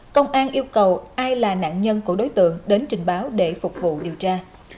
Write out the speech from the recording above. công an yêu cầu ai là nạn nhân của đối tượng đến trình báo để phục vụ điều tra